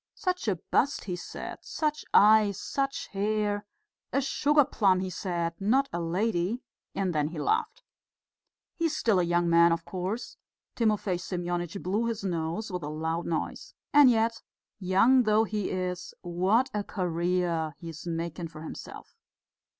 Such a bust, he said, such eyes, such hair.... A sugar plum, he said, not a lady and then he laughed. He is still a young man, of course." Timofey Semyonitch blew his nose with a loud noise. "And yet, young though he is, what a career he is making for himself."